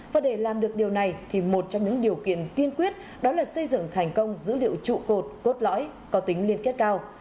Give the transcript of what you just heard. và để làm được điều này thì một trong những điều kiện tiên quyết đó là xây dựng thành công dữ liệu trụ cột cốt lõi có tính liên kết cao